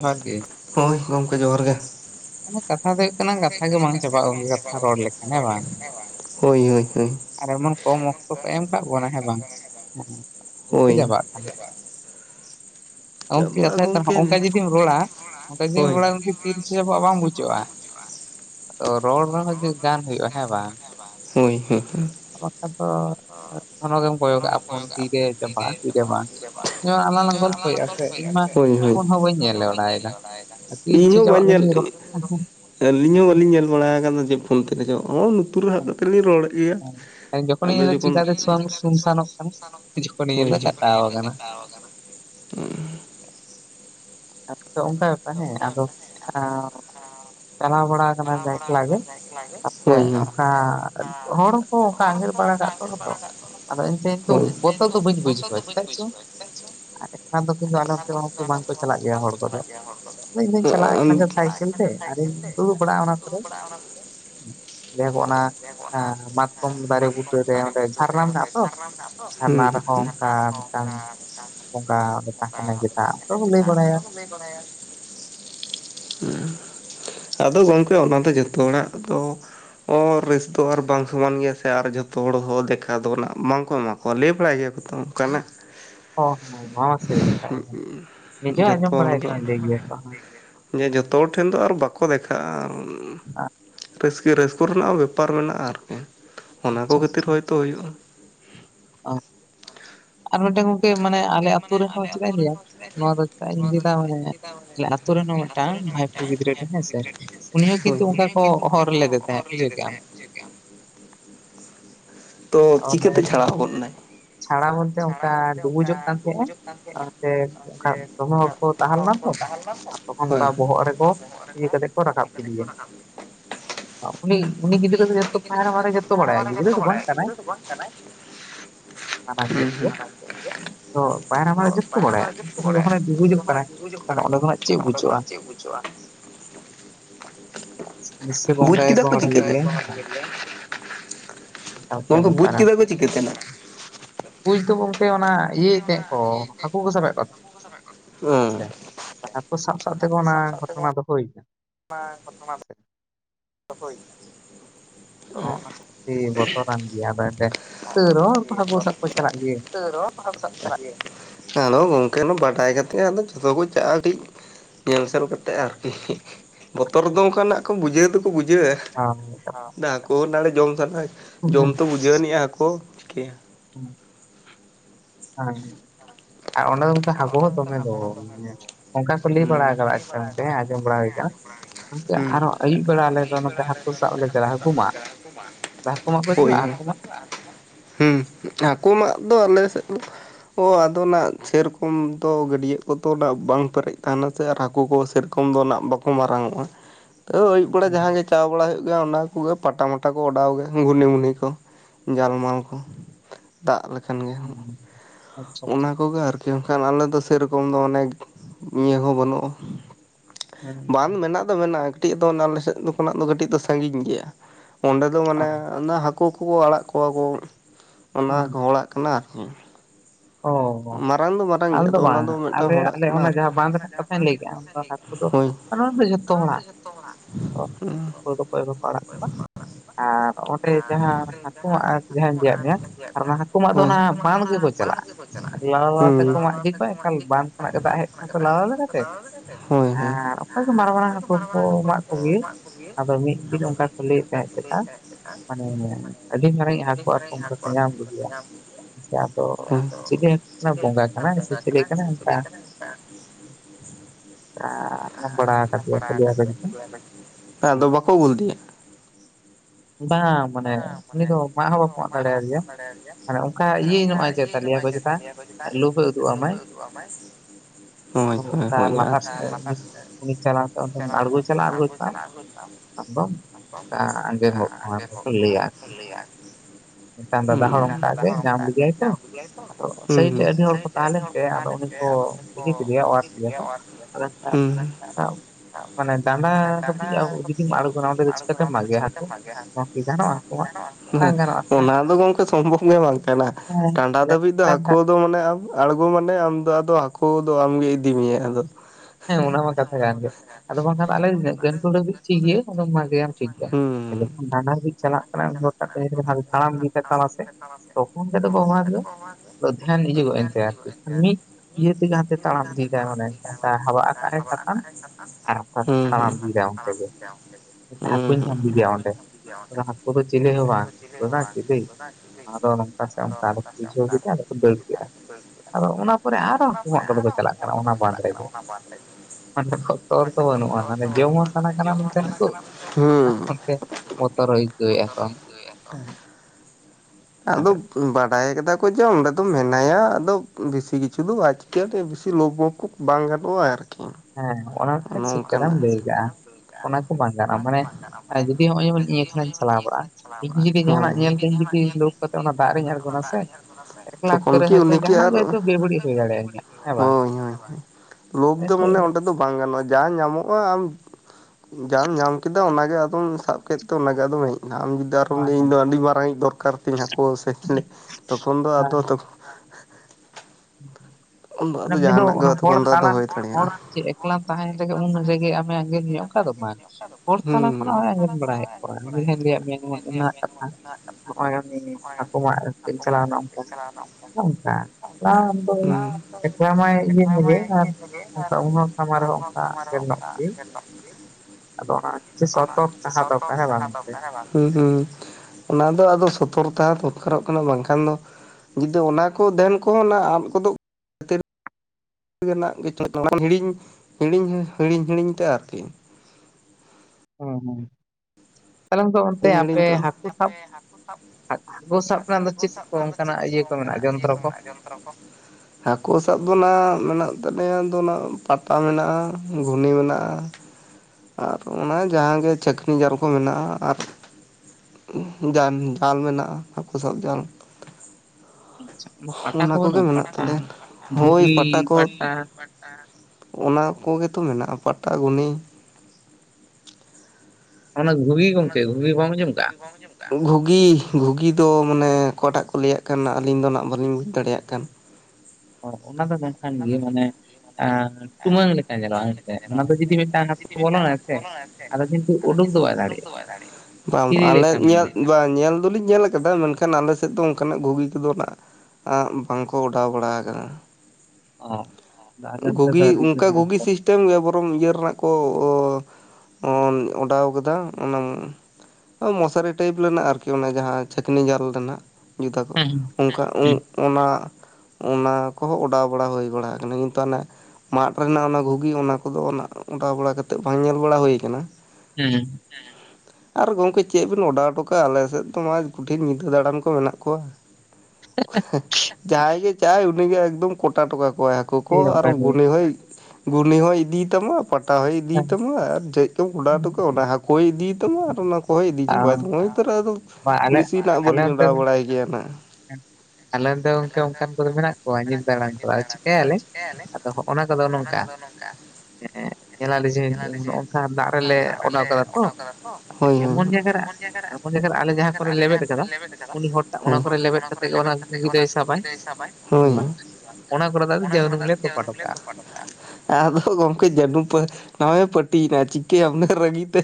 ᱡᱚᱦᱟᱨ ᱜᱮ᱾ ᱦᱳᱭ ᱜᱚᱢᱠᱮ ᱡᱚᱦᱟᱨ ᱜᱮ᱾ ᱢᱟᱱᱮ ᱠᱟᱛᱷᱟ ᱫᱚ ᱦᱩᱭᱩᱜ ᱠᱟᱱᱟ ᱠᱟᱛᱷᱟ ᱜᱮ ᱵᱟᱝ ᱪᱟᱵᱟᱜ ᱠᱟᱛᱷᱟ ᱨᱚᱲ ᱞᱮᱠᱷᱟᱱ ᱦᱮᱸ ᱵᱟᱝ? ᱦᱳᱭ ᱦᱳᱭ ᱦᱳᱭ᱾ ᱟᱨ ᱮᱢᱚᱱ ᱠᱚᱢ ᱚᱠᱛᱚ ᱠᱚ ᱮᱢ ᱟᱠᱟᱫ ᱵᱚᱱᱟ ᱦᱮᱸ ᱵᱟᱝ, ᱦᱩᱸ [unintelligible] ᱛᱮ ᱪᱟᱵᱟᱜ [unintelligible] ᱜᱚᱝᱠᱮ ᱠᱟᱛᱷᱟ ᱦᱩᱭᱩᱜ ᱠᱟᱱᱟ ᱱᱚᱜᱼᱚᱝᱠᱟ ᱡᱩᱫᱤᱢ ᱨᱚᱲᱟ ᱚᱱᱠᱟ ᱡᱩᱫᱤᱢ ᱨᱚᱲᱟ ᱜᱚᱝᱠᱮ ᱛᱤᱨᱮ ᱪᱚ ᱪᱟᱵᱟᱜᱟ ᱵᱟᱝ ᱵᱩᱡᱷᱟᱹᱜᱼᱟ ᱟᱫᱚ ᱨᱚᱲ ᱨᱮᱦᱚᱸ ᱡᱩ ᱜᱟᱱ ᱦᱩᱭᱩᱜᱼᱟ ᱦᱮᱸ ᱵᱟᱝ ᱦᱳᱭ ᱦᱳᱭ [unintelligible] [unintelligible] ᱟᱫᱚ ᱚᱱᱟᱮᱢ ᱠᱚᱭᱚᱜ ᱠᱟᱜᱼᱟ ᱯᱷᱳᱱ ᱛᱤᱨᱮ ᱪᱟᱵᱟᱜᱼᱟ ᱛᱤᱨᱮ ᱵᱟᱝ ᱟᱞᱟᱝ ᱞᱟᱝ ᱜᱚᱞᱯᱚ ᱭᱮᱫᱟ ᱥᱮ ᱤᱧ ᱢᱟ ᱯᱷᱳᱱ ᱦᱚᱸ ᱵᱟᱹᱧ ᱧᱮᱞ ᱵᱟᱲᱟᱭᱮᱫᱟ ᱛᱤᱨᱮ ᱪᱚ ᱪᱟᱵᱟᱜ ᱠᱟᱱ ᱟᱹᱞᱤᱧ ᱦᱚᱸ ᱵᱟᱹᱞᱤᱧ ᱧᱮᱞ ᱵᱟᱲᱟ ᱟᱠᱟᱫᱟ ᱡᱮ ᱯᱷᱳᱱ ᱛᱮ ᱨᱮ ᱪᱚ ᱦᱚᱸ ᱞᱩᱛᱩᱨ ᱨᱮ ᱥᱟᱵ ᱠᱟᱛᱮᱫ ᱞᱤᱧ ᱨᱚᱲᱮᱫᱟ ᱤᱭᱟᱹ ᱟᱫᱚ ᱡᱚᱠᱷᱚᱱ [unintelligible] ᱦᱚᱭ [unintelligible] ᱠᱟᱴᱟᱣ ᱠᱟᱱᱟ ᱟᱨ ᱚᱱᱠᱟ ᱟᱫᱚ ᱚᱱᱠᱟ ᱟᱫᱚ ᱪᱟᱞᱟᱣ ᱵᱟᱲᱟ ᱠᱟᱱᱟ ᱛᱟᱦᱮᱸ [unintelligible] ᱚᱱᱠᱟ ᱦᱚᱲ ᱠᱚ ᱚᱱᱠᱟ ᱟᱸᱜᱤᱨ ᱵᱟᱲᱟ ᱠᱟᱜ ᱠᱚᱣᱟ ᱛᱚ ᱟᱫᱚ ᱮᱱᱛᱮ ᱤᱧ ᱫᱚ ᱵᱚᱛᱚᱨ ᱫᱚ ᱵᱟᱹᱧ ᱵᱩᱡᱷᱟᱹᱣᱟ ᱪᱮᱫᱟᱜ ᱪᱚᱝ ᱟᱨ ᱮᱠᱷᱟᱱ ᱫᱚ ᱠᱤᱱᱛᱩ ᱟᱞᱮ ᱱᱚᱱᱛᱮ ᱵᱟᱝᱠᱚ ᱪᱟᱞᱟᱜ ᱜᱮᱭᱟ ᱵᱟᱝᱠᱚ ᱪᱟᱞᱟᱜ ᱜᱮᱭᱟ ᱦᱚᱲ ᱫᱚ ᱤᱧᱫᱩᱧ ᱪᱟᱞᱟᱜ ᱠᱟᱱᱟ ᱥᱟᱭᱠᱮᱞ ᱛᱮ ᱟᱨᱤᱧ ᱫᱩᱲᱩᱵ ᱵᱟᱲᱟᱜ ᱚᱱᱟ ᱠᱚᱨᱮ ᱞᱟᱹᱭ ᱟᱠᱚ ᱚᱱᱟ ᱢᱟᱛᱠᱚᱢ ᱫᱟᱨᱮ ᱵᱩᱴᱟᱹᱨᱮ ᱚᱸᱰᱮ ᱡᱷᱟᱨᱱᱟ ᱢᱮᱱᱟᱜᱼᱟ ᱛᱚ ᱡᱷᱟᱨᱱᱟ ᱨᱮᱦᱚᱸ ᱚᱱᱠᱟ ᱢᱤᱫᱴᱟᱝ ᱵᱚᱸᱜᱟ ᱚᱰᱮ ᱛᱟᱦᱮᱱᱟ ᱪᱮᱛᱟ ᱚᱱᱠᱟ ᱞᱟᱹᱭ ᱵᱟᱲᱟᱭᱟ ᱞᱟᱹᱭ ᱵᱟᱲᱟᱭᱟ [inaudible] ᱟᱫᱚ ᱜᱚᱢᱠᱮ ᱚᱱᱟᱛᱮ ᱡᱚᱛᱚ ᱦᱚᱲᱟᱜ ᱫᱚ ᱚ ᱨᱮᱥ ᱫᱚ ᱟᱨ ᱵᱟᱝ ᱥᱚᱢᱟᱱ ᱜᱮᱭᱟ ᱥᱮ ᱟᱨ ᱡᱷᱚᱛᱚ ᱦᱚᱲ ᱦᱚᱸ ᱫᱮᱠᱷᱟ ᱫᱚᱱᱟᱜ ᱵᱟᱝᱠᱚ ᱮᱢᱟ ᱠᱚᱣᱟ ᱦᱚ ᱞᱟᱹᱭ ᱵᱟᱲᱟᱭ ᱜᱮᱭᱟ ᱠᱚ ᱚᱱᱠᱟ ᱚ ᱦᱚᱸ ᱱᱚᱣᱟ ᱥᱟᱹᱨᱤ ᱠᱟᱛᱷᱟ ᱜᱮ ᱱᱤᱡᱮ ᱟᱸᱡᱚᱢ ᱵᱟᱲᱟᱭ ᱠᱟᱱ ᱞᱟᱹᱭ ᱜᱮᱭᱟ ᱠᱚ ᱦᱚᱸ ᱡᱮ ᱡᱚᱛᱚ ᱦᱚᱲ ᱴᱷᱮᱱ ᱫᱚ ᱟᱨ ᱵᱟᱠᱚ ᱫᱮᱠᱷᱟᱜᱼᱟ ᱨᱟᱹᱥᱠᱟᱹ ᱨᱟᱹᱥᱠᱟᱹ ᱨᱮᱱᱟᱜ ᱦᱚᱸ ᱵᱮᱯᱟᱨ ᱢᱮᱱᱟᱜᱼᱟ ᱟᱨᱠᱤ ᱚᱱᱟ ᱠᱚ ᱠᱷᱟᱹᱛᱤᱨ ᱦᱚᱭᱛᱳ ᱦᱩᱭᱩᱜᱼᱟ ᱚᱦ ᱟᱨ ᱢᱤᱫᱴᱮᱱ ᱜᱚᱝᱠᱮ ᱢᱟᱱᱮ ᱟᱞᱮ ᱟᱹᱛᱩ ᱨᱮᱦᱚ ᱪᱮᱫᱟᱜ ᱤᱧ ᱞᱟᱹᱭᱟ ᱱᱚᱣᱟ ᱫᱚ ᱪᱮᱫᱟᱜ ᱤᱧ ᱤᱫᱤᱭᱟ ᱢᱟᱱᱮ ᱟᱮ ᱟᱛᱳ ᱨᱮᱱ ᱦᱚᱸ ᱢᱤᱫᱴᱟᱝ ᱵᱷᱟᱭᱯᱚ ᱜᱤᱫᱽᱨᱟᱹ ᱦᱮᱸ ᱥᱮ ᱩᱱᱤ ᱦᱚᱸ ᱠᱤᱱᱛᱩ ᱚᱱᱠᱟ ᱠᱚ ᱦᱚᱨ ᱞᱮᱫᱮ ᱛᱟᱦᱮᱸᱫ [unintelligible] ᱵᱩᱡᱷᱟᱣ ᱠᱮ ᱟᱢ [inaudible] ᱛᱚ ᱪᱤᱠᱟᱹᱛᱮ ᱪᱷᱟᱲᱟᱣ ᱜᱚᱫ ᱱᱟᱭ ᱪᱷᱟᱲᱟ ᱵᱚᱞᱛᱮ ᱪᱷᱟᱲᱟᱣ ᱵᱚᱞᱛᱮ ᱚᱱᱠᱟ ᱰᱩᱵᱩᱡᱚᱜ ᱠᱟᱱ ᱛᱟᱦᱮᱸᱼᱟ ᱚᱱᱟ ᱦᱚᱲ ᱠᱚ ᱛᱟᱦᱮᱸ ᱞᱮᱱᱟ ᱠᱚ ᱛᱚᱠᱷᱚᱱ ᱚᱱᱠᱟ ᱵᱚᱦᱚᱜ ᱨᱮ ᱠᱚ ᱤᱫᱤ ᱠᱟᱛᱮᱜ ᱠᱚ ᱨᱟᱠᱟᱵ ᱠᱮᱫᱮᱭᱟ ᱩᱱᱤ ᱩᱱᱤ ᱜᱤᱫᱽᱨᱟᱹ ᱫᱚ ᱡᱚᱛᱚ ᱯᱟᱭᱨᱟ ᱯᱟᱭᱨᱟ ᱡᱚᱛᱚ ᱵᱟᱲᱟᱭᱟ ᱜᱤᱫᱽᱨᱟᱹ ᱫᱚ ᱵᱟᱝ ᱠᱟᱱᱟᱭ ᱠᱟᱱᱟᱭ ᱢᱟᱨᱟᱝ ᱧᱚᱜ ᱜᱮ [unintelligible] ᱛᱚ ᱯᱟᱭᱨᱟ ᱢᱟᱭᱨᱟ ᱡᱚᱛᱚ ᱵᱟᱲᱟᱭᱟ ᱡᱚᱠᱷᱚᱱᱮ ᱰᱩᱵᱩᱡᱚᱜ ᱠᱟᱱᱟᱭ ᱚᱸᱰᱮ ᱠᱷᱚᱱᱟᱜ ᱪᱮᱫ ᱵᱩᱡᱷᱟᱹᱜᱼᱟ [unintelligible] ᱥᱮ ᱵᱚᱸᱜᱟᱭ ᱜᱚᱦᱚᱲ ᱞᱮᱫᱮᱭᱟ [unintelligible] ᱵᱩᱡ ᱠᱮᱫᱟ ᱯᱮ ᱪᱤᱠᱟᱹᱛᱮ ᱱᱟ ᱠᱩᱪ ᱫᱚ ᱜᱚᱢᱠᱮ ᱚᱱᱟ ᱤᱭᱟᱹᱭ ᱛᱟᱦᱮᱸᱫ ᱠᱚ ᱦᱟᱹᱠᱩ ᱠᱚ ᱥᱟᱵᱮᱫ ᱠᱚ ᱛᱟᱦᱮᱸ ᱚᱸ ᱦᱟᱹᱠᱳ ᱥᱟᱵ ᱥᱟᱵ ᱛᱮᱜᱮ ᱚᱱᱟ ᱜᱷᱚᱴᱚᱱᱟ ᱫᱚ ᱦᱩᱭ ᱟᱠᱟᱱᱟ ᱚᱱᱟ ᱜᱷᱚᱴᱚᱱᱟ ᱫᱚ ᱫᱚ ᱦᱳᱭ ᱚᱱᱟ ᱠᱚᱫᱚ ᱟᱹᱰᱤ ᱵᱚᱛᱚᱨᱟᱱ ᱜᱮᱭᱟ ᱟᱫᱚ ᱮᱱᱛᱮ ᱛᱟᱹ ᱨᱮᱦᱚ ᱦᱟᱹᱠᱩ ᱥᱟᱵ ᱠᱚ ᱪᱟᱞᱟᱜ ᱜᱮᱭᱟ ᱦᱟᱹᱠᱩ ᱥᱟᱵ ᱠᱚ ᱪᱟᱞᱟᱜ ᱜᱮ ᱟᱫᱚ ᱜᱚᱝᱠᱮ ᱢᱟ ᱵᱟᱰᱟᱭ ᱠᱟᱛᱮᱫ ᱟᱫᱚ ᱡᱷᱚᱛᱚ ᱠᱚ ᱪᱟᱜ-ᱟ ᱠᱟᱹᱴᱤᱡ ᱧᱮᱞᱥᱮᱞ ᱠᱟᱛᱮᱫ ᱟᱨᱠᱤ ᱵᱚᱛᱚᱨ ᱫᱚ ᱚᱱᱠᱟᱱᱟᱜ ᱠᱚ ᱵᱩᱡᱷᱟᱹᱣ ᱫᱚᱠᱚ ᱵᱩᱡᱷᱟᱹᱣᱟ [unintelligible] ᱱᱟᱠᱳ ᱱᱟᱲᱮ ᱡᱚᱢ ᱥᱟᱱᱟᱭᱮᱜ ᱦᱩᱸ ᱦᱩᱸ ᱦᱮᱸ ᱟᱠᱳ ᱦᱮᱸ ᱟᱨ ᱚᱸᱰᱮ ᱫᱚ ᱜᱚᱝᱠᱮ ᱦᱟᱠᱳ ᱦᱚᱸ ᱫᱚᱢᱮ ᱫᱚ ᱚᱝᱠᱟ ᱠᱚ ᱞᱟᱹᱭ ᱵᱟᱲᱟ ᱟᱠᱟᱫᱟ [unintelligible] ᱟᱸᱡᱚᱢ ᱵᱟᱲᱟ ᱦᱩᱭᱠᱟᱱᱟ ᱜᱚᱝᱠᱮ ᱟᱨᱚ ᱟᱹᱭᱩᱵ ᱵᱮᱲᱟ ᱟᱞᱮ ᱫᱚ ᱱᱚᱛᱮ ᱦᱟᱹᱠᱳ ᱥᱟᱵᱞᱮ ᱪᱟᱞᱟᱜ-ᱟ ᱦᱟᱠᱳ ᱢᱟᱜ [unintelligible] ᱦᱟᱠᱩ ᱢᱟᱜ ᱦᱩᱸ ᱦᱟᱹᱠᱩ ᱢᱟᱜ ᱫᱚ ᱟᱞᱮ ᱥᱮᱫ ᱫᱚ ᱚ ᱟᱫ ᱫᱚ ᱱᱟᱜ ᱥᱮᱨᱚᱠᱚᱢ ᱫᱚ ᱜᱟᱹᱰᱭᱟᱹ ᱠᱚᱫᱚ ᱱᱟᱜ ᱵᱟᱝ ᱯᱮᱨᱮᱡ ᱛᱟᱦᱮᱱᱟ ᱥᱮ ᱟᱨ ᱦᱟᱹᱠᱩ ᱠᱚ ᱥᱮᱨᱚᱠᱚᱢ ᱫᱚ ᱱᱟᱜ ᱵᱟᱠᱚ ᱠᱚ ᱢᱟᱨᱟᱝ ᱚᱜ-ᱟ [inaudible] ᱛᱚ ᱟᱹᱭᱩᱵ ᱵᱮᱲᱟ ᱡᱟᱦᱟᱸ ᱜᱮ ᱪᱟᱣ ᱵᱟᱲᱟ ᱦᱩᱭᱩᱜ ᱜᱮᱭᱟ ᱚᱱᱟ ᱠᱚᱜᱮ ᱯᱟᱴᱟ ᱢᱟᱴᱟ ᱠᱚ ᱚᱰᱟᱣ ᱜᱮᱭᱟ ᱜᱷᱩᱱᱤᱢᱩᱱᱤ ᱠᱚ ᱡᱷᱟᱞ ᱢᱟᱞ ᱠᱚ ᱫᱟᱜ ᱞᱮᱠᱟᱱ ᱜᱮ ᱚᱱᱟ ᱠᱚᱜᱮ ᱟᱨᱠᱤ ᱮᱠᱷᱟᱱ ᱟᱞᱮ ᱫᱚ ᱥᱮᱨᱚᱠᱚᱢ ᱫᱚ ᱚᱱᱮᱠ ᱤᱭᱟᱹ ᱦᱚᱸ ᱵᱟᱹᱱᱩᱜ-ᱟ ᱵᱟᱸᱫᱽ ᱢᱮᱱᱟᱜ ᱫᱚ ᱢᱮᱱᱟᱜ-ᱟ ᱠᱟᱹᱴᱤᱡ ᱫᱚ ᱟᱞᱮ ᱥᱮᱫ ᱠᱷᱚᱱᱟᱜ ᱫᱚ ᱠᱟᱹᱴᱤᱡ ᱫᱚ ᱥᱟᱸᱜᱤᱧ ᱜᱮᱭᱟ ᱚᱸᱰᱮ ᱫᱚ ᱫᱚ ᱢᱟᱱᱮ ᱚᱱᱟ ᱦᱟᱠᱳ ᱠᱚ ᱟᱲᱟᱜ ᱠᱚᱣᱟ ᱠᱚ ᱚᱱᱟ ᱦᱚᱲᱟᱜ ᱠᱟᱱᱟ ᱦᱩᱸ ᱚ ᱟᱞᱮ ᱫᱚ ᱵᱟᱝ ᱟᱞᱮ ᱟᱞᱮ ᱚᱱᱟ ᱡᱟᱦᱟᱸ ᱵᱟᱸᱫᱷ ᱨᱮᱱᱟᱜ ᱠᱟᱛᱷᱟᱧ ᱞᱟᱹᱭ ᱠᱮᱜ-ᱟ ᱚᱱᱟ ᱩᱱᱠᱩ ᱫᱚ ᱟᱨ ᱱᱚᱣᱟ ᱫᱚ ᱡᱚᱛᱚ ᱦᱚᱲᱟᱜ [unintelligible] ᱵᱟᱠᱚ ᱟᱲᱟᱜ ᱠᱚᱣᱟ ᱟᱨ ᱚᱸᱰᱮ ᱡᱟᱦᱟᱸ ᱦᱟᱠᱳ ᱟᱨ ᱡᱟᱦᱟᱸᱧ ᱞᱟᱹᱭᱟᱜ ᱢᱮᱭᱟ ᱟᱨ ᱚᱱᱟ ᱦᱟᱠᱳ ᱢᱟᱜ ᱫᱚ ᱚᱱᱟ ᱵᱟᱸᱫᱷ ᱜᱮ ᱜᱚᱡ ᱵᱟᱸᱫᱷ ᱜᱮ ᱜᱚᱡ ᱟᱹᱰᱤ ᱞᱟ ᱞᱟ ᱛᱮᱠᱚ ᱢᱟᱜ ᱤᱫᱤ ᱠᱚᱣᱟ ᱮᱠᱟᱞ ᱵᱟᱸᱫᱷ ᱠᱷᱚᱱᱟᱜ ᱜᱮ ᱫᱟᱜ ᱦᱮᱡ ᱠᱟᱱᱟ ᱛᱚ ᱞᱟᱞᱟ ᱞᱮᱠᱟ ᱛᱮ ᱟᱨ [unintelligible] ᱢᱟᱨᱟᱝ ᱢᱟᱨᱟᱝ ᱦᱟᱠᱳ ᱠᱚ ᱢᱟᱜ ᱠᱚᱜᱮ ᱟᱫᱚ ᱢᱤᱫ ᱫᱤᱱ ᱚᱱᱠᱟ ᱠᱚ ᱞᱟᱹᱭᱮᱫ ᱛᱟᱦᱮᱫ ᱪᱮᱛᱟ ᱢᱟᱱᱮ ᱟᱹᱰᱤ ᱢᱟᱨᱟᱝ ᱤᱡ ᱦᱟᱠᱳ ᱟᱠᱚ ᱚᱝᱠᱟ ᱠᱚ ᱧᱟᱢ ᱞᱮᱫᱮᱭᱟ ᱥᱮ ᱟᱫᱚ [unintelligible] ᱦᱮᱸ [unintelligible] ᱟᱫᱚ ᱵᱟᱠᱚ ᱟᱹᱜᱩ ᱞᱤᱫᱤᱭᱟ ᱵᱟᱝ ᱵᱟᱝ ᱢᱟᱱᱮ ᱩᱱᱤ ᱫᱚ ᱢᱟᱜ ᱦᱚᱸ ᱵᱟᱠᱚ ᱢᱫ ᱫᱟᱲᱮᱭᱟᱫᱮᱭᱟ ᱢᱟᱱᱮ ᱚᱱᱠᱟ ᱤᱭᱟᱹ ᱥᱟᱸᱜᱤᱧᱚᱜ ᱟᱭ ᱪᱮᱛᱟ ᱱᱤᱭᱟᱹ ᱠᱚ ᱪᱮᱛᱟᱱ ᱞᱳᱵᱽ-ᱮ ᱩᱫᱩᱜ-ᱟᱢᱟᱭ ᱦᱳᱭ ᱦᱳᱭ ᱦᱳᱭ ᱮᱸ ᱞᱟᱛᱟᱨ ᱥᱮᱜ ᱪᱟᱞᱟᱣ ᱦᱳᱭᱳᱜ-ᱟ ᱥᱮ ᱟᱬᱜᱚ ᱪᱟᱞᱟᱜ ᱦᱩᱭᱩᱜ-ᱟ ᱟᱫᱚ ᱟᱸᱻ ᱟᱜᱮᱱ ᱜᱚᱫ ᱠᱟᱢᱟᱭ ᱜᱮᱱ ᱜᱚᱜ ᱠᱟᱟᱭ ᱞᱟᱹᱭᱟ ᱟᱨᱠᱤ ᱦᱩᱸ ᱢᱤᱫᱴᱟᱝ ᱫᱟᱫᱟ ᱦᱚᱲ ᱚᱱᱠᱟ ᱜᱮ ᱧᱟᱢ ᱞᱮᱫᱮᱭᱟᱭ ᱦᱩᱸ ᱦᱩᱸ ᱥᱟᱹᱭ ᱛᱮ ᱟᱹᱰᱤ ᱦᱚᱲ ᱠᱚ ᱛᱟᱦᱮᱸ ᱞᱮᱱ ᱛᱮ ᱟᱫᱚ ᱩᱱᱤ ᱠᱚ ᱤᱫᱤ ᱠᱮᱫᱮᱭᱟ ᱚᱣᱟᱨ ᱠᱮᱫᱮᱭᱟᱠᱚ ᱦᱩᱸ ᱢᱮᱱᱠᱷᱟᱱ ᱢᱟᱱᱮ ᱰᱟᱸᱰᱟ ᱠᱚᱛᱮ ᱡᱩᱫᱤᱢ ᱟᱬᱜᱚᱱᱟ ᱚᱸᱰᱮᱫᱚ ᱪᱤᱠᱟᱹᱛᱮᱢ ᱢᱟᱜᱮᱭᱟ ᱦᱟᱸᱠᱩ ᱚᱱᱟ ᱠᱤ ᱜᱟᱱᱚᱜ-ᱟ ᱚᱱᱟ ᱫᱚ ᱜᱚᱝᱠᱮ ᱥᱚᱢᱵᱷᱚᱵ ᱜᱮ ᱵᱟᱝ ᱠᱟᱱᱟ ᱰᱟᱸᱰᱟ ᱫᱷᱟᱹᱵᱤᱡ ᱫᱚ ᱦᱟᱹᱠ ᱫᱚ ᱢᱟᱱᱮ ᱟᱢ ᱟᱬᱜᱚ ᱢᱟᱱᱮ ᱟᱢ ᱫᱚ ᱟᱫᱚ ᱦᱟᱠᱳ ᱫᱚ ᱟᱢᱜᱮ ᱤᱫᱤ ᱢᱮᱭᱟᱭ ᱟᱫᱚ ᱦᱮᱸ ᱚᱱᱟ ᱢᱟ ᱠᱟᱛᱷᱟ ᱠᱟᱱ ᱜᱮ ᱟᱫᱚ ᱵᱟᱝᱠᱷᱟᱱ ᱟᱞᱮ ᱜᱟᱹᱱᱴᱩᱲ ᱦᱟᱵᱤᱡ ᱴᱷᱤᱠ ᱜᱮ ᱟᱫᱚᱢ ᱢᱟᱜᱮᱭᱟ ᱦᱩᱸ ᱡᱚᱠᱷᱚᱱ ᱰᱟᱸᱰᱟ ᱦᱟᱹᱵᱤᱡ ᱪᱟᱞᱟᱜ ᱠᱟᱱᱟᱭ [unintelligible] ᱛᱟᱲᱟᱢ ᱤᱫᱤᱭᱮᱫᱟᱭ ᱛᱟᱞᱟ ᱥᱮᱫ ᱛᱚᱠᱷᱚᱱ ᱜᱮ ᱟᱫᱚᱠᱚ ᱦᱚᱦᱚ ᱟᱫᱮᱭᱟ ᱫᱷᱮᱭᱟᱱ ᱦᱤᱡᱩᱜ ᱜᱚᱫ ᱮᱱ ᱛᱟᱭᱟ ᱟᱨᱠᱤ ᱢᱤᱫ ᱤᱭᱟᱹᱛᱮ ᱡᱟᱦᱟᱸ ᱛᱮ ᱛᱟᱲᱟᱢ ᱤᱫᱤᱭᱮᱫᱟᱭ ᱢᱟᱱᱮ ᱦᱟᱵᱟᱜ ᱟᱠᱟᱜ-ᱟᱭ ᱠᱟᱛᱟᱱ ᱟᱨ ᱚᱱᱠᱟ ᱛᱟᱲᱟᱢ ᱤᱫᱤ ᱮᱫᱟᱭ ᱚᱱᱛᱮ ᱜᱮ ᱢᱤᱫᱴᱟᱝ ᱦᱟᱹᱠᱩᱧ [unintelligible] ᱚᱸᱰᱮ ᱚᱱᱟ ᱦᱟᱹᱠᱩ ᱫᱚ ᱪᱤᱞᱤ ᱦᱚᱸ ᱵᱟᱝ, ᱚᱱᱟ ᱪᱤᱞᱤ ᱚᱱᱟᱫᱚ ᱱᱚᱝᱠᱟ ᱥᱮ ᱚᱱᱠᱟ, ᱟᱫᱚ ᱵᱩᱡᱷᱟᱹᱣ ᱵᱤᱱ ᱟᱫᱚ, ᱫᱟᱹᱲ ᱠᱮᱜᱼᱟ, ᱟᱫᱚ ᱚᱱᱟ ᱯᱚᱨᱮ ᱟᱨᱚ ᱦᱚᱠᱩᱟ ᱠᱚᱫᱚ ᱠᱚ ᱪᱟᱞᱟᱜ ᱠᱟᱱᱟ ᱚᱱᱟ ᱵᱟᱸᱫᱽ ᱨᱮᱜᱮ ᱾ ᱵᱚᱛᱚᱨ ᱫᱚ ᱵᱟᱹᱱᱩᱜᱼᱟ ᱦᱟᱱᱮ ᱡᱚᱢ ᱦᱚ ᱥᱟᱱᱟ ᱠᱟᱱᱟ ᱱᱚᱛᱮ ᱱᱤᱛᱚᱜ ᱾ ᱱᱚᱛᱮ ᱵᱚᱛᱚᱨ ᱦᱚ ᱟᱹᱭᱠᱟᱹᱣᱮᱫᱼᱟ ᱠᱚ ᱦᱮᱸ ᱟᱫᱚ ᱵᱟᱰᱟᱭ ᱟᱠᱟᱫᱟ ᱠᱚ ᱡᱮ ᱚᱸᱰᱮ ᱫᱚ ᱢᱮᱱᱟᱭᱟ ᱟᱫᱚ ᱵᱮᱥᱤ ᱠᱤᱪᱷᱩ ᱫᱚ ᱵᱟᱭ ᱪᱤᱠᱟᱹ ᱟᱜ ᱾ ᱵᱮᱥᱤ ᱞᱳᱵᱷ ᱵᱳᱵᱽ ᱠᱚ ᱵᱟᱝ ᱜᱟᱱᱼᱟ ᱟᱨᱠᱤ ᱦᱮᱸ ᱚᱱᱟ ᱢᱤᱫᱛᱮ ᱴᱷᱤᱠ ᱠᱛᱟᱢ ᱞᱟᱹᱭ ᱠᱟᱜᱼᱟ ᱚᱱᱟ ᱠᱚ ᱵᱟᱝ ᱜᱟᱱᱚᱜᱼᱟ ᱢᱟᱱᱮ ᱡᱩᱫᱤ ᱱᱚᱜᱼᱚᱭ ᱡᱮ ᱤᱧ ᱮᱠᱞᱟᱧ ᱪᱟᱞᱟᱣ ᱵᱟᱲᱟᱜᱼᱟ ᱾ ᱤᱧ ᱡᱩᱫᱤ ᱡᱟᱦᱟᱱᱟᱜ ᱧᱮᱞ ᱫᱟᱹᱧ ᱧᱮᱞᱛᱮᱧ ᱡᱩᱫᱤ ᱞᱩᱲᱩᱵ ᱠᱟᱛᱮᱜ ᱚᱱᱟ ᱫᱟᱜ ᱨᱤᱧ ᱟᱬᱜᱚᱱᱟ ᱥᱮ, ᱮᱠᱞᱟ ᱠᱚᱛᱨᱮ ᱦᱚᱭᱛᱳ ᱡᱟᱦᱟᱱᱟᱜ ᱜᱮ ᱦᱭᱛᱳ ᱵᱮ ᱵᱟᱹᱲᱤᱡ ᱦᱩᱭ ᱫᱟᱲᱮᱭᱟᱹᱧᱟ ᱦᱮ ᱵᱟᱝ ᱞᱳᱵᱷᱷ ᱫᱚ ᱢᱟᱱᱮ ᱚᱸᱰᱮ ᱫᱚ ᱵᱟᱝ ᱜᱟᱱᱚᱜᱼᱟ ᱧᱟᱢᱚᱜᱼᱟ ᱟᱢ ᱡᱟᱢ ᱧᱟᱢ ᱠᱮᱫᱟ ᱚᱱᱟᱜᱮ ᱟᱫᱚᱢ ᱥᱟᱵ ᱠᱮᱫ ᱛᱮ ᱚᱱᱟᱜᱮ ᱟᱫᱚᱢ ᱦᱮᱡ ᱱᱟ ᱟᱢ ᱡᱩᱫᱤ ᱟᱨᱚᱢ ᱞᱮᱭᱟ ᱡᱩᱫᱤ ᱤᱧ ᱫᱚ ᱟᱹᱰᱤ ᱢᱟᱨᱟᱝᱤᱡ ᱫᱚᱨᱠᱟᱨ ᱛᱤᱧ ᱦᱟᱹᱠᱩ ᱥᱮ ᱪᱮᱞᱮ ᱛᱚᱠᱷᱚᱱ ᱫᱚ ᱟᱫᱚ [inaudible] ᱢᱟᱱᱮ ᱩᱱᱤ ᱫᱚ ᱚᱱᱟ ᱦᱚᱲ ᱛᱟᱲᱞᱟ ᱨᱮ ᱦᱚᱲ ᱪᱮᱫ ᱮᱠᱞᱟ ᱛᱟᱦᱮᱭᱮᱱ ᱨᱮᱜᱮ ᱩᱱ ᱨᱮᱸᱜᱮᱡ ᱟᱢᱮᱭ ᱟᱸᱜᱮᱱ ᱢᱮᱭᱟ ᱚᱠᱟ ᱫᱚ ᱵᱟᱝ ᱦᱚᱲ ᱛᱟᱞᱟ ᱠᱷᱚᱱᱟᱜ ᱦᱚᱸᱭ ᱟᱸᱜᱮᱱ ᱵᱟᱲᱟᱭᱮᱫ ᱠᱚᱣᱟ ᱩᱱᱤ ᱡᱟᱦᱟᱸ ᱞᱟᱹᱭᱟᱜ ᱢᱮᱭᱟ [unintelligible] ᱱᱟᱜ ᱠᱟᱛᱷᱟ ᱱᱚᱜᱼᱚᱭ ᱦᱟᱹᱠᱩ ᱢᱟᱜ ᱪᱟᱞᱟᱣ ᱱᱟ ᱚᱱᱠᱟᱜ ᱾ ᱚᱱᱠᱟ ᱚᱱᱟ ᱮᱠᱞᱟ ᱢᱟᱭ ᱤᱫᱤ ᱴᱮᱜᱮ ᱟᱨ ᱚᱱᱠᱟ ᱩᱱ ᱥᱟᱢᱟᱝ ᱨᱮᱦᱚᱸ ᱚᱱᱠᱟ [unintelligible] ᱜᱮ ᱟᱫᱚ ᱚᱱᱟ ᱱᱤᱡᱮ ᱥᱚᱛᱚᱨᱠ ᱛᱟᱦᱮ ᱫᱚᱨᱠᱟᱨ ᱦᱮᱸ ᱵᱟᱝ ᱥᱮ? ᱦᱩᱸ ᱦᱩᱸ ᱚᱱᱟ ᱫᱚ ᱟᱫᱚ ᱥᱚᱛᱚᱨ ᱛᱟᱦᱮᱱ ᱫᱚᱨᱠᱟᱨᱚᱜ ᱠᱟᱱᱟ ᱵᱟᱝᱠᱷᱟᱱ ᱫᱚ ᱡᱩᱫᱟᱹ ᱚᱱᱟ ᱠᱚ ᱰᱟᱹᱱ ᱠᱚᱦᱚᱸ ᱚᱱᱟ ᱟᱫ ᱠᱚᱫᱚ ᱨᱮᱱᱟᱜ ᱜᱮ ᱦᱤᱲᱤᱧ ᱦᱤᱲᱤ ᱦᱤᱲᱤᱧ ᱦᱤᱲᱤᱧ ᱛᱮ ᱟᱨᱠᱤ ᱦᱚᱸ ᱦᱚᱸ ᱛᱟᱦᱚᱞᱮ ᱜᱚᱢᱠᱮ ᱚᱱᱛᱮ ᱟᱯᱮ ᱦᱟᱹᱠᱩ ᱥᱟᱵ ᱦᱟᱹᱠᱩ ᱥᱟᱵ ᱦᱟᱹᱠᱩ ᱥᱟᱵ ᱨᱮᱱᱟᱜ ᱫᱚ ᱪᱮᱫ ᱠᱚ ᱚᱱᱠᱟᱱᱟᱜ ᱤᱭᱟᱹ ᱠᱚ ᱢᱮᱱᱟᱜᱼᱟ ᱡᱚᱱᱛᱨᱚ ᱠᱚ? ᱦᱟᱹᱠᱩ ᱥᱟᱵ ᱫᱚ ᱱᱟᱦᱟᱜ ᱢᱮᱱᱟᱜ ᱛᱟᱞᱮᱭᱟ ᱫᱚ ᱱᱟ ᱯᱟᱴᱟ ᱢᱮᱱᱟᱜᱼᱟ, ᱜᱷᱩᱱᱤ ᱢᱮᱱᱟᱜᱼᱟ ᱟᱨ ᱚᱱᱟ ᱡᱟᱦᱟᱸᱜᱮ ᱪᱟᱹᱠᱱᱤ ᱡᱟᱞ ᱠᱚ ᱢᱮᱱᱟᱜᱼᱟ ᱟᱨ ᱡᱟᱞ ᱡᱟᱞ ᱢᱮᱱᱟᱜᱼᱟ ᱦᱟᱹᱠᱩ ᱥᱟᱵ ᱡᱟᱞ ᱟᱪᱪᱷᱟ ᱚᱱᱟ ᱯᱟᱴᱟ ᱠᱚ ᱵᱟᱹᱱᱩᱜᱼᱟ ᱯᱟᱴᱟ ᱜᱷᱩᱜᱤ ᱯᱟᱴᱟ? ᱯᱟᱴᱟ ᱚᱱᱟ ᱠᱚᱜᱮ ᱛᱚ ᱢᱮᱱᱟᱜᱼᱟ ᱯᱟᱴᱟ ᱜᱷᱩᱱᱤ ᱚᱱᱟ ᱜᱷᱩᱜᱤ ᱜᱚᱝᱠᱮ ᱜᱷᱩᱜᱤ ᱵᱟᱢ ᱟᱡᱚᱢ ᱠᱟᱜᱼᱟ? ᱜᱷᱩᱜᱤ ᱜᱷᱩᱜᱤ ᱫᱚ ᱢᱟᱱᱮ ᱚᱠᱟᱴᱟᱜ ᱠᱚ ᱞᱟᱹᱭᱟᱜ ᱠᱟᱱ ᱟᱹᱞᱤᱧ ᱫᱚ ᱦᱟᱜ ᱵᱟᱹᱞᱤᱧ ᱵᱩᱡᱽ ᱫᱟᱲᱮᱭᱟᱜ ᱠᱟᱱ ᱚᱱᱟ ᱫᱚ ᱱᱚᱠᱟᱱ ᱜᱮ ᱢᱟᱱᱮ ᱴᱩᱢᱟᱹᱝ ᱞᱮᱠᱟ ᱧᱮᱞᱚᱜᱼᱟ ᱦᱮᱸ ᱥᱮ ᱚᱱᱟ ᱫᱚ ᱡᱩᱫᱤ ᱢᱤᱫᱴᱟᱝ ᱦᱟᱹᱠᱩᱭ ᱵᱚᱞᱚᱱᱟ ᱥᱮ ᱟᱫᱚ ᱠᱤᱱᱛᱩ ᱩᱰᱩᱠ ᱫᱚ ᱵᱟᱭ ᱫᱟᱲᱮᱭᱟᱜᱼᱟ ᱾ ᱵᱟᱝ ᱟᱞᱮ ᱧᱮᱞ ᱵᱟᱝ ᱧᱮᱞ ᱫᱚᱞᱤᱧ ᱧᱮᱞ ᱟᱠᱟᱫᱟ ᱢᱮᱱᱠᱷᱟᱱ ᱟᱞᱮ ᱥᱮᱫ ᱫᱚ ᱚᱱᱠᱟᱱᱟᱜ ᱜᱷᱩᱜᱤ ᱠᱚᱫᱚ ᱱᱟᱜ ᱼ ᱵᱟᱝᱠᱚ ᱚᱰᱟᱣ ᱵᱟᱲᱟ ᱠᱟᱫᱟ ᱚᱻ ᱟᱞᱮ ᱱᱚᱱᱛᱮ ᱫᱚ ᱟᱹᱰᱤ ᱡᱳᱨ [unintelligible] ᱢᱤᱫᱴᱮᱝ ᱜᱮ ᱵᱚᱨᱚᱝ ᱤᱭᱟᱹ ᱨᱮᱱᱟᱜ ᱠᱚ ᱚᱰᱟᱣ ᱟᱠᱟᱫᱟ ᱚᱱᱟ ᱢᱚᱥᱟᱨᱤ ᱴᱟᱭᱤᱯ ᱨᱮᱱᱟᱜ ᱟᱨᱠᱤ ᱚᱱᱮ ᱡᱟᱦᱟᱸ ᱪᱷᱟᱠᱱᱤ ᱡᱟᱞ ᱨᱮᱱᱟᱜ ᱡᱩᱛᱟᱹ ᱠᱚ ᱚᱱᱠᱟ ᱚᱱᱟ ᱚᱱᱟ ᱠᱚᱦᱚᱸ ᱚᱰᱟᱣ ᱵᱟᱲᱟ ᱦᱩᱭ ᱵᱟᱲᱟ ᱟᱠᱟᱱᱟ ᱛᱚ ᱚᱱᱮ ᱢᱟᱫ ᱨᱮᱱᱟᱜ ᱚᱱᱟ ᱜᱷᱩᱜᱤ ᱚᱱᱟ ᱠᱚᱫᱚ ᱚᱱᱟ ᱚᱸᱰᱟᱣ ᱵᱟᱲᱟ ᱠᱟᱛᱮᱫ ᱵᱟᱝ ᱧᱮᱞ ᱵᱟᱲᱟ ᱦᱩᱭ ᱠᱟᱱᱟ ᱦᱮᱸ ᱟᱨ ᱜᱚᱢᱠᱮ ᱪᱮᱫ ᱵᱤᱱ ᱚᱰᱟᱣ ᱦᱚᱴᱚ ᱠᱟᱜᱼᱟ ᱟᱞᱮ ᱥᱮᱫ ᱫᱚ ᱢᱟ ᱠᱩᱴᱷᱤᱱ ᱧᱤᱫᱟᱹ ᱫᱟᱬᱟᱱ ᱠᱚ ᱢᱮᱱᱟᱜ ᱠᱚᱣᱟ ᱦᱮᱼᱦᱮ ᱡᱟᱦᱟᱸᱭ ᱜᱮ ᱪᱟᱜ ᱟᱭ ᱩᱱᱤᱜᱮ ᱮᱠᱫᱚᱢ ᱠᱚᱴᱟ ᱦᱚᱴᱚ ᱠᱟᱠᱚ ᱣᱟᱭ ᱦᱟᱹᱠᱩ ᱠᱚ ᱟᱨ ᱜᱷᱩᱱᱤ ᱦᱚᱭ ᱜᱷᱩᱱᱤ ᱦᱚᱭ ᱤᱫᱤᱭ ᱛᱟᱢᱟ ᱯᱟᱼ ᱯᱟᱴᱟ ᱦᱚᱭ ᱤᱫᱤᱭ ᱛᱟᱢᱟ ᱟᱨ ᱪᱮᱫ ᱫᱚᱢ ᱚᱰᱟᱣ ᱦᱚᱴᱚ ᱠᱟᱜᱼᱟ ᱚᱱᱟ ᱦᱟᱹᱠᱩᱭ ᱤᱫᱤᱭ ᱛᱟᱢᱟ ᱟᱨ ᱚᱱᱟ ᱦᱚᱭ ᱤᱫᱤ ᱪᱟᱵᱟᱭ ᱛᱟᱢᱟ ᱛᱚᱨᱟ ᱟᱫᱚ ᱵᱤᱥᱤ ᱨᱟᱜ ᱵᱟᱹᱞᱤᱧ ᱚᱰᱟᱣ ᱵᱟᱲᱟᱭ ᱜᱮᱭᱟ ᱱᱟᱜ᱾ ᱟᱞᱮ ᱚᱱᱛᱮ ᱜᱚᱢᱠᱮ ᱚᱱᱠᱟᱱ ᱠᱚᱫᱚ ᱢᱮᱱᱟᱜ ᱠᱚᱣᱟ ᱧᱤᱫᱟᱹ ᱫᱟᱬᱟᱱ ᱠᱚ ᱟᱪᱤ ᱠᱟᱭᱟᱞᱮ ᱟᱫᱚ ᱦᱚᱜ ᱚᱱᱟ ᱠᱚᱫᱚ ᱱᱚᱝᱠᱟ ᱮᱸ ᱧᱮᱞᱟᱞᱮ ᱡᱮ ᱱᱚᱜ ᱠᱷᱟᱱ ᱫᱟᱜ ᱨᱮᱞᱮ ᱚᱰᱟᱣ ᱠᱟᱫᱟ ᱛᱚ ᱮᱢᱚᱱ ᱡᱟᱭᱜᱟ ᱨᱮ ᱮᱢᱚᱱ ᱡᱟᱭᱜᱟ ᱨᱮ ᱟᱞᱮ ᱡᱟᱦᱟᱸ ᱠᱚᱨᱮ ᱞᱮᱵᱮᱫ ᱠᱟᱫᱟ᱾ ᱩᱱᱤ ᱦᱚ-ᱴᱟᱜ ᱚᱱᱟ ᱠᱚᱨᱮ ᱚᱱᱟ ᱠᱚᱨᱮ ᱞᱮᱵᱮᱫ ᱠᱟᱛᱮᱜ ᱚᱱᱟ ᱛᱤᱛᱮᱭ ᱥᱟᱵᱟᱭ ᱚᱱᱟ ᱦᱚᱸᱻ ᱚᱱᱟ [inaudible] [unintelligible] ᱟᱫᱚ ᱜᱚᱢᱠᱮ ᱡᱟᱹᱱᱩᱢᱯᱟᱹ ᱱᱚᱼᱚᱭ ᱯᱟᱹᱴᱤᱭᱮᱱᱟᱭ ᱪᱤᱠᱟᱹᱭᱟᱢ ᱩᱱᱟᱹᱜ ᱨᱟᱹᱜᱤ ᱛᱮ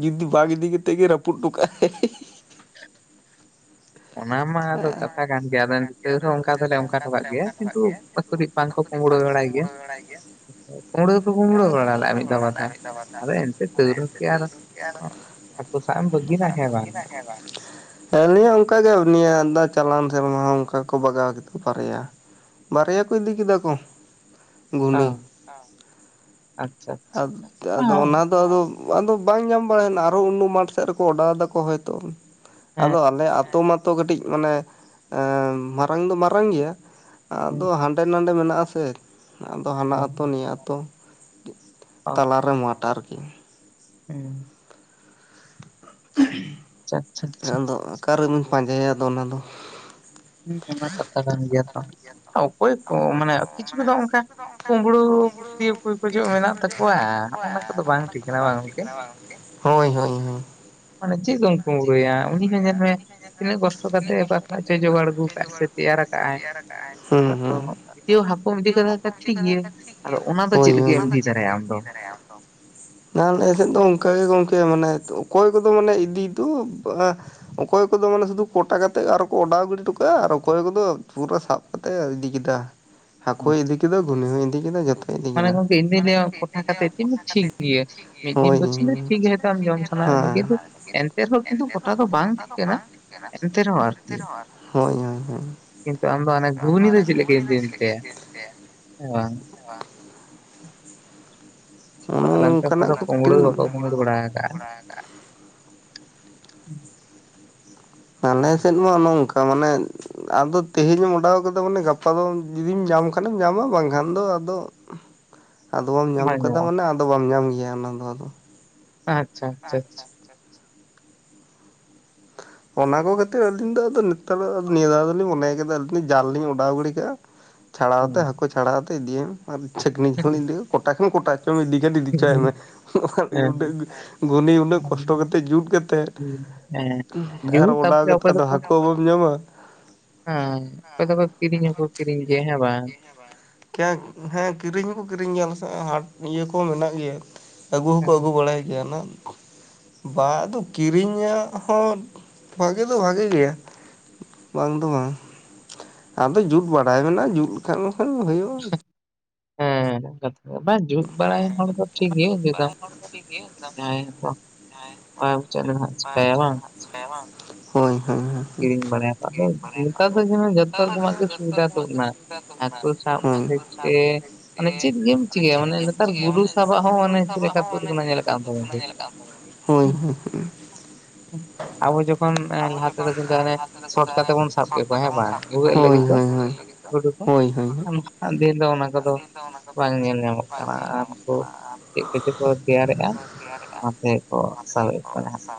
ᱡᱩᱫᱤ ᱵᱟᱝ ᱤᱫᱤ ᱠᱟᱛᱮᱜ ᱜᱮ ᱨᱟᱹᱯᱩᱫᱼᱴᱚ ᱠᱟᱜᱼᱟᱭ ᱦᱮ-ᱦᱮ [unintelligible] ᱚᱱᱟ ᱢᱟ ᱟᱫᱚ ᱠᱟᱛᱷᱟ ᱠᱟᱱ ᱜᱮᱭᱟ ᱟᱫᱚ ᱮᱱᱛᱮ ᱨᱮᱦᱚᱸ ᱚᱱᱠᱟ ᱫᱚᱞᱮ ᱚᱱᱠᱟ ᱴᱚᱼᱠᱟᱜ ᱜᱮᱭᱟ ᱠᱤᱱᱛᱩ ᱠᱟᱹᱴᱤᱡ ᱵᱟᱝ ᱠᱚ ᱠᱩᱸᱵᱽᱲᱩ ᱵᱟᱲᱟᱭ ᱜᱮᱭᱟ ᱠᱩᱸᱵᱽᱲᱩ ᱫᱚᱠᱚ ᱠᱩᱢᱵᱽᱲᱩ ᱵᱟᱲᱟ ᱞᱮᱫᱼᱟ ᱢᱤᱫ ᱫᱷᱟᱣ ᱵᱟᱨ ᱫᱷᱟᱱ [unintelligible] ᱮᱱᱛᱮ ᱛᱮ [unintelligible] ᱦᱟᱠᱩ ᱥᱟᱵ ᱮᱢ ᱵᱟᱹᱜᱤᱱᱟ ᱦᱮᱸ ᱵᱟᱝ ᱦᱮ ᱵᱟᱝ [unintelligible] ᱚᱱᱠᱟ ᱜᱮ ᱩᱱᱤᱭᱟᱜ ᱟᱸᱫᱟ ᱪᱟᱞᱟᱱ ᱥᱮᱨᱢᱟ ᱦᱚᱸ ᱚᱱᱠᱟ ᱠᱚ ᱵᱟᱜᱟᱣ ᱠᱮᱛ ᱵᱟᱨᱭᱟ᱾ ᱵᱟᱨᱭᱟ ᱠᱚ ᱤᱫᱤ ᱠᱮᱫᱟ ᱠᱚ ᱟ ᱟᱪᱪᱷᱟ ᱟ ᱟᱫᱚ ᱚᱱᱟ ᱫᱚ ᱟᱫᱚ ᱟᱫᱚ ᱵᱟᱝ ᱧᱟᱢ ᱵᱟᱲᱟᱭᱮᱱᱟ ᱟᱨᱦᱚ ᱩᱱᱩ ᱢᱟᱴ ᱥᱮᱫ ᱨᱮᱠᱚ ᱚᱰᱟᱣ ᱫᱟᱠᱚ ᱦᱚᱭᱛᱚ, ᱟᱫᱚ ᱟᱞᱮ ᱟᱛᱳ ᱢᱟᱛᱚ ᱠᱟᱹᱴᱤᱡ ᱢᱟᱱᱮ ᱮ ᱢᱟᱨᱟᱝ ᱫᱚ ᱢᱟᱨᱟᱝ ᱜᱮᱭᱟ ᱟᱫᱚ ᱦᱟᱸᱰᱮ ᱱᱟᱰᱮ ᱢᱮᱱᱟᱜ ᱟᱥᱮ ᱟᱫᱚ ᱦᱟᱱᱟ ᱟᱛᱳ ᱱᱤᱭᱟᱹ ᱟᱛᱳ, ᱛᱟᱞᱟᱨᱮ ᱢᱟᱴ ᱟᱨᱠᱤ ᱩᱸ [inaudible] ᱟᱫᱚ ᱚᱠᱟ ᱨᱮᱢ ᱯᱟᱸᱡᱟᱭᱟ ᱟᱫᱚ ᱚᱱᱟ ᱫᱚ [unintelligible] ᱠᱟᱛᱷᱟ ᱠᱟᱱ ᱜᱮᱭᱟ ᱛᱚ ᱚᱠᱚᱭ ᱠᱚ ᱢᱟᱱᱮ ᱠᱤᱪᱷᱩᱠᱚᱫᱚ ᱚᱱᱠᱟ ᱠᱩᱢᱵᱽᱲᱩ ᱵᱩᱫᱦᱤ ᱚᱠᱚᱭ ᱠᱚᱡᱚ ᱢᱮᱱᱟᱜ ᱛᱟᱠᱚᱣᱟ᱾ ᱚᱱᱟ ᱠᱚᱫᱚ ᱵᱟᱝ ᱴᱷᱤᱠ ᱠᱟᱱᱟ ᱵᱟᱝ [unintelligible] ᱦᱳᱭ ᱦᱳᱭ ᱢᱟᱱᱮ ᱪᱮᱫ ᱵᱤᱱ ᱠᱩᱢᱵᱽᱲᱩᱭᱟ, ᱩᱱᱤ ᱦᱚᱸ ᱧᱮᱞ ᱢᱮ ᱛᱤᱱᱟᱹᱜ ᱠᱚᱥᱴᱚ ᱠᱟᱛᱮᱜ ᱚᱠᱟ ᱠᱷᱚᱱᱟᱜ ᱪᱚᱭ ᱡᱚᱜᱟᱲ ᱥᱮ ᱛᱮᱭᱟᱨ ᱟᱠᱟᱜᱼ ᱟᱭ ᱟᱫᱚ ᱡᱩᱫᱤᱭᱚ ᱦᱟᱹᱠᱩᱢ ᱤᱫᱤ ᱠᱟᱫᱮ ᱛᱮ ᱴᱷᱤᱠ ᱜᱮᱭᱟ ᱟᱫᱚ ᱚᱱᱟ ᱫᱚ ᱪᱮᱫ ᱞᱤᱜᱤᱫ ᱮᱢ ᱤᱫᱤ ᱛᱚᱨᱟᱭᱟ ᱟᱢᱫᱚ? ᱟᱞᱮ ᱥᱮᱫ ᱫᱚ ᱚᱱᱠ ᱜᱮ ᱜᱚᱝᱠᱮ ᱢᱟᱱᱮ ᱚᱠᱚᱭ ᱠᱚᱫᱚ ᱢᱟᱱᱮ ᱤᱫᱤ [unintelligible] ᱚᱠᱚᱭ ᱠᱚᱫᱚ ᱢᱟᱱᱮ ᱥᱩᱫᱩ ᱠᱚᱴᱟ ᱠᱟᱛᱮᱜ ᱟᱨᱚ ᱠᱚ ᱚᱰᱟᱣ ᱜᱤᱰᱤ ᱴᱚ ᱠᱟᱜᱼᱟ, ᱟᱨ ᱚᱠᱚᱭ ᱠᱚᱫᱚ ᱯᱩᱨᱟᱹ ᱥᱟᱵ ᱠᱟᱛᱮ ᱤᱫᱤ ᱠᱮᱫᱟ ᱦᱟᱹᱠᱩᱭ ᱤᱫᱤ ᱠᱮᱫᱟ ᱜᱷᱩᱱᱤ ᱦᱚᱸᱭ ᱤᱫᱤ ᱠᱮᱫᱟ ᱡᱚᱛᱚ ᱢᱟᱱᱮ ᱜᱚᱝᱠᱮ ᱤᱱ ᱫᱩᱧ ᱞᱟᱹᱭᱟ ᱠᱚᱴᱟ ᱠᱟᱛᱮ ᱛᱤᱱᱤ ᱪᱷᱤᱠ ᱜᱮᱭᱟ? ᱢᱤᱫ ᱫᱤᱱ ᱫᱚ ᱪᱦᱚᱞᱚ ᱴᱦᱤᱠ ᱜᱮ ᱦᱚᱭᱛᱚ ᱟᱢ ᱡᱚᱢ [unintelligible] ᱠᱤᱱᱛᱩ ᱮᱱᱛᱮ ᱨᱮᱦᱚᱸ [inaudible] ᱠᱚᱴᱟ ᱫᱚ ᱵᱟᱝ ᱴᱷᱤᱠ ᱠᱟᱱᱟ ᱥᱮ ᱮᱱᱛᱮ ᱚᱨᱠᱤ ᱦᱚᱸ ᱦᱚᱸ ᱠᱤᱱᱛᱩ ᱟᱢ ᱫᱚ ᱟᱱᱮ ᱜᱷᱩᱜᱱᱤ ᱫᱚ ᱪᱮᱜ ᱞᱟᱜᱤᱜ ᱮᱢ ᱤᱫᱤ ᱚᱪᱚᱼᱭᱟ? ᱚ [unintelligible] ᱟᱞᱮ ᱱᱟᱛᱮ ᱫᱚ ᱠᱩᱢᱲᱩ ᱫᱚ ᱵᱟᱠᱚ ᱠᱩᱢᱲᱩ ᱵᱟᱲᱟ ᱠᱟᱜ ᱟ᱾ ᱦᱮᱱᱟᱜ ᱟ ᱟᱞᱮ ᱥᱮᱱ ᱢᱟ ᱚᱱᱮ ᱚᱝᱠᱟ ᱢᱟᱱᱮ ᱟᱫᱚ ᱛᱮᱦᱮᱧ ᱮᱢ ᱚᱰᱟᱣ ᱠᱟᱫᱟ ᱢᱟᱱᱮ ᱜᱟᱯᱟ ᱫᱚᱢ ᱡᱩᱫᱤᱢ ᱧᱟᱢ ᱠᱷᱟᱱᱮᱢ ᱧᱟᱢᱟ ᱵᱟᱝᱠᱷᱟᱱ ᱫᱚ ᱟᱫᱚ [inaudible] ᱟᱫᱚ ᱵᱟᱢ ᱧᱟᱢ ᱠᱟᱫᱟ ᱢᱟᱱᱮ ᱟᱫᱚ ᱵᱟᱢ ᱧᱟᱢ ᱜᱮᱭᱟ ᱚᱱᱟ ᱫᱚ ᱟᱫᱚ, ᱟᱪᱪᱷᱟ-ᱟᱪᱪᱷᱟ ᱟᱪᱷ ᱚᱱᱟᱠᱚ ᱠᱷᱟᱹᱛᱤᱨ ᱟᱞᱤᱧ ᱫᱚ ᱟᱫᱚ ᱱᱮᱛᱟᱨ ᱱᱤᱭᱟᱹ ᱫᱷᱟᱣ ᱫᱚᱞᱤᱧ ᱢᱚᱱᱮ ᱟᱠᱟᱫᱟ, ᱟᱞᱤᱧ ᱫᱚ ᱡᱟᱞ ᱞᱤᱧ ᱚᱰᱟᱣ ᱜᱤᱰᱤ ᱠᱟᱜᱼᱟ᱾ [inaudible] ᱪᱷᱟᱲᱟᱣᱛᱮ ᱦᱟᱹᱠᱩ ᱪᱷᱟᱲᱟᱣᱛᱮ ᱤᱫᱤᱭᱮᱢ ᱟᱨ ᱪᱟᱹᱠᱱᱤ ᱡᱟᱦᱟᱸᱞᱤᱧ ᱤᱫᱤᱭᱟ ᱠᱚᱴᱟ ᱠᱷᱚᱱ ᱠᱚᱴᱟ [unintelligible] [unintelligible] [unintelligible] ᱩᱱᱤ ᱩᱱᱟᱹᱜ ᱠᱚᱥᱴᱚ ᱠᱟᱛᱮᱜ ᱡᱩᱛ ᱠᱟᱛᱮᱜ ᱦᱮᱸ ᱟᱨ ᱚᱰᱟᱣ ᱠᱟᱛᱷᱟ ᱫᱚ ᱦᱟᱹᱠᱩ ᱵᱟᱢ ᱧᱟᱢᱟ, ᱦᱮᱸ [unintelligible] ᱫᱚᱠᱚ ᱠᱤᱨᱤᱧ ᱦᱚᱸᱠᱚ ᱠᱤᱨᱤᱧ ᱜᱮᱭᱟ ᱦᱮᱸ ᱵᱟᱝ ᱵᱮᱸᱠ ᱦᱮᱸ ᱠᱤᱨᱤᱧ ᱦᱚᱸᱠᱚ ᱠᱤᱨᱤᱧ ᱜᱮᱭᱟ ᱟᱞᱮᱥᱮᱜ ᱦᱟᱴ ᱤᱭᱟᱹ ᱠᱚ ᱢᱮᱱᱟᱜ ᱜᱮᱭᱟ, ᱟᱹᱜᱩ ᱦᱚᱸᱠᱚ ᱟᱹᱜᱩ ᱵᱟᱲᱟᱭ ᱜᱮᱭᱟ ᱞᱮ᱾ ᱵᱟ ᱟᱫᱚ ᱠᱤᱨᱤᱧᱟᱜ ᱦᱚᱸ ᱵᱷᱟᱜᱮ ᱫᱚ ᱵᱷᱟᱜᱮ ᱜᱮᱭᱟ᱾ ᱵᱟᱝ ᱫᱚ ᱵᱟᱝ ᱟᱫᱚ ᱡᱩᱛ ᱵᱟᱲᱟᱭ ᱢᱮᱱᱟᱜᱼᱟ ᱡᱩᱛ ᱞᱮᱠᱷᱟᱡ ᱢᱟᱠᱷᱟᱱ ᱦᱩᱭᱩᱜ᱾ ᱦᱮᱸ᱾ ᱮ ᱵᱟᱝ ᱡᱩᱛ ᱵᱟᱲᱟᱭ ᱦᱚᱲ ᱫᱚ ᱴᱷᱤᱠ ᱜᱮ ᱫᱤᱭᱮ ᱯᱚᱨ ᱮᱸ ᱦᱚ᱾ ᱟ ᱪᱮᱫ ᱫᱚ ᱱᱟᱦᱟᱜ ᱪᱮᱠᱟᱭᱟ ᱵᱟᱝ᱾ ᱦᱮᱸ ᱵᱟ? ᱦᱳᱭ ᱦᱳᱭ ᱦᱳᱭ᱾ ᱠᱤᱨᱤᱧ ᱵᱟᱲᱟᱭᱟ ᱠᱟᱜ ᱯᱮ ᱱᱮᱛᱟᱨ ᱫᱚ ᱡᱮᱢᱚᱱ ᱡᱚᱛᱚ ᱨᱚᱠᱚᱢᱟᱜ ᱜᱮ ᱥᱩᱵᱤᱫᱟ ᱛᱩᱫ ᱱᱟ, ᱟᱸ ᱠᱳᱥ [unintelligible] ᱢᱟᱱᱮ ᱪᱮᱫ ᱜᱮᱢ ᱪᱤᱠᱟᱹᱭᱟ ᱢᱟᱱᱮ ᱱᱮᱛᱟᱨ ᱜᱩᱰᱩ ᱥᱟᱵᱟᱜ ᱦᱚᱸ ᱚᱱᱮ ᱪᱮᱜ ᱞᱮᱠᱟ ᱛᱩᱜ ᱠᱟᱱᱟ ᱧᱮᱞ ᱟᱠᱟᱜ ᱟᱢ ᱥᱮ ᱵᱟᱝ? ᱦᱳᱭ ᱦᱳᱭ, [inaudible] ᱟᱵᱚ ᱡᱚᱠᱷᱚᱱ ᱮᱸ ᱞᱟᱦᱟ ᱫᱚ ᱠᱤᱱᱛᱩ ᱦᱟᱱᱮ ᱥᱚᱴ ᱠᱟᱴ ᱛᱮ ᱵᱚᱱ ᱥᱟᱵ ᱠᱮᱫ ᱠᱚᱣᱟ, ᱦᱮᱸ ᱵᱟᱝ ᱵᱷᱩᱜᱟᱹᱜ ᱞᱟᱹᱜᱤᱫ ᱫᱚ ᱜᱩᱰᱩ ᱠᱚ ᱮᱢ ᱫᱤᱱ ᱫᱚ ᱚᱱᱟ ᱠᱚᱫᱚ ᱚᱱᱟ ᱠᱚᱫᱚ ᱠᱟᱱᱟ ᱟᱨ ᱠᱳ ᱪᱮᱫ ᱠᱚᱪᱚ ᱠᱚ ᱛᱮᱭᱟᱨᱮᱜᱼᱟ ᱚᱱᱟ ᱛᱮᱠᱚ ᱥᱟᱵᱮᱜ ᱠᱚᱣᱟ ᱦᱟᱸᱜ᱾